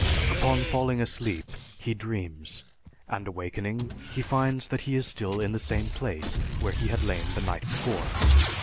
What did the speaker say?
Upon falling asleep he dreams, and awakening, he finds that he is still in the same place where he had lain the night before.